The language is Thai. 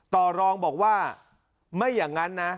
ต่อรองบอกว่าไม่อย่างนั้นนะ